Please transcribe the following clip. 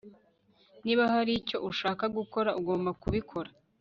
Niba hari icyo ushaka gukora ugomba kubikora